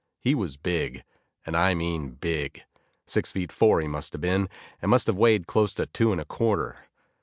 He was big, and I mean big. Six feet four, he must have been, and must have weighed close to two and a quarter.